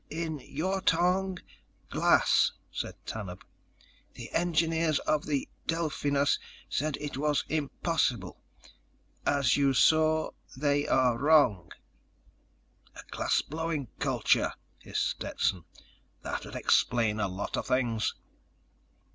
"In your tongue—glass," said Tanub. "The engineers of the Delphinus said it was impossible. As you saw—they are wrong." "A glass blowing culture," hissed Stetson. _"That'd explain a lot of things."